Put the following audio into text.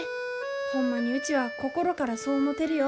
ホンマにうちは心からそう思てるよ。